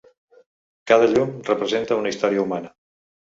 Cada llum representa una història humana.